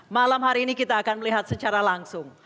malam hari ini kita akan melihat secara langsung